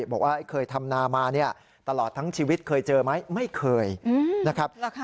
บอกว่าเคยทำนามาเนี่ยตลอดทั้งชีวิตเคยเจอไหมไม่เคยนะครับ